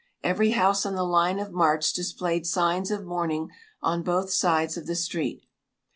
Every house on the line of march displayed signs of mourning on both sides of the street.